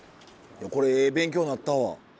これええ勉強なったわ。